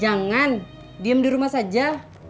jangan diem di rumah saja